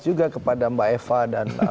juga kepada mbak eva dan